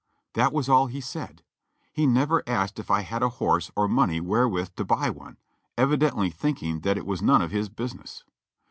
That was all he said. He never asked if I had a horse or money wherewith to buy one, evidently thinking that it was none of his business.